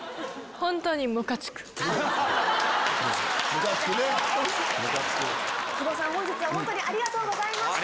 本日は本当にありがとうございました。